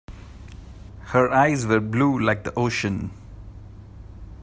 Her eyes were blue like the ocean.